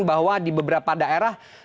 bahwa di beberapa daerah